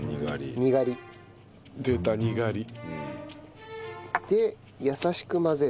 にがり。で優しく混ぜる。